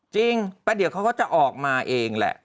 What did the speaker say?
จริงแล้วเดี๋ยวเขาก็จะออกมาเองแหละ